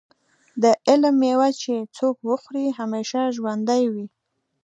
د علم مېوه چې څوک وخوري همیشه ژوندی وي.